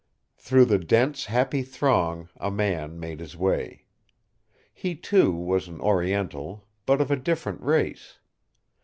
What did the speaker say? Through the dense happy throng a man made his way. He, too, was an Oriental, but of a different race.